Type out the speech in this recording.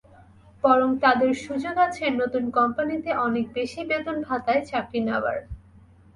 বরং তাঁদের সুযোগ আছে নতুন কোম্পানিতে অনেক বেশি বেতন-ভাতায় চাকরি নেওয়ার।